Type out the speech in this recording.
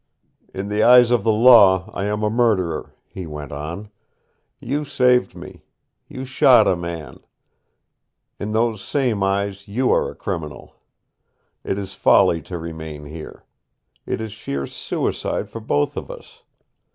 "In the eyes of the law I am a murderer," he went on. "You saved me. You shot a man. In those same eyes you are a criminal. It is folly to remain here. It is sheer suicide for both of us.